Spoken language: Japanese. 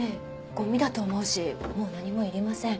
ゴミだと思うしもう何もいりません。